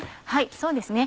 そうですね。